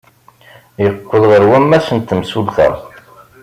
Yeqqel ɣer wammas n temsulta.